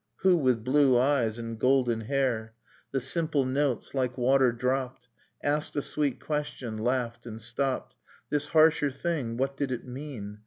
Who, with blue eyes and golden hair? ... The simple notes like water dropped, Asked a sweet question, laughed, and stopped .. This harsher thing — what did it mean?